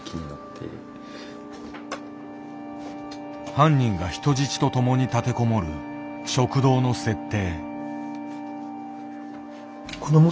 犯人が人質と共に立てこもる食堂の設定。